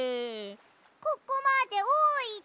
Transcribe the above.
ここまでおいで！